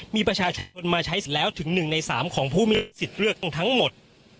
มีประชาชนมาใช้แล้วถึงหนึ่งในสามของผู้มีสิทธิ์เลือกทั้งหมด